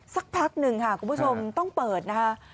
สักพักหนึ่งค่ะคุณผู้ชมต้องเปิดนะคะ